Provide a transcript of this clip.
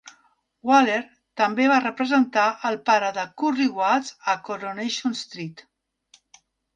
Waller també va representar el pare de Curly Watts a "Coronation Street".